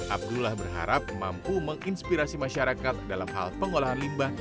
abdullah berharap mampu menginspirasi masyarakat dalam hal pengolahan limbah